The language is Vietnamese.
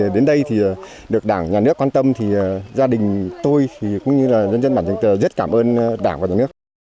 đến đây được đảng nhà nước quan tâm gia đình tôi cũng như dân dân bản dân tờ rất cảm ơn đảng và nhà nước